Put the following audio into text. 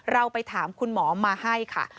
เราไปถามคุณหมอมาให้ค่ะ